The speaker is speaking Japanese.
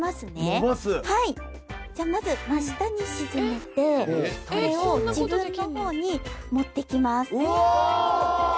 まず真下に沈めてこれを自分の方に持ってきます。